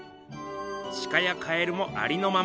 シカやカエルもありのまま。